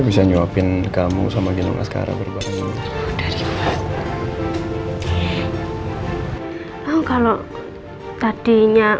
bisa nyuapin kamu sama gendong askara berbahar dari